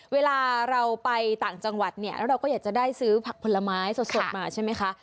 เวลาเราไปต่างจังหวัดเนี่ยแล้วเราก็อยากจะได้ซื้อผักผลไม้สดมาใช่ไหมคะ